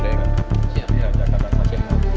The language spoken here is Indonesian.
dan yang ingin untuk berhasil dengan ujian